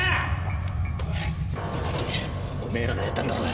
おめえらがやったんだろうが！